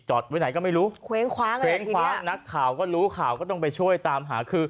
เขาก็มาไม่ได้บ่อยนัก